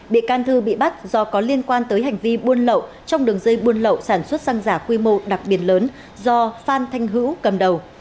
bị can thư bị bắt do có liên quan tới hành vi buôn lậu trong đường dây buôn lậu sản xuất xăng giả quy mô đặc biệt lớn do phan thanh hữu cầm đầu